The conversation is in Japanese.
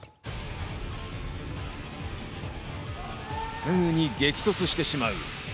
すぐに激突してしまう。